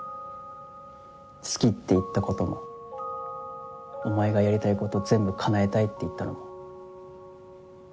「好き」って言ったことも「お前がやりたいこと全部叶えたい」って言ったのも。